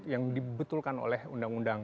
yang dibetulkan oleh undang undang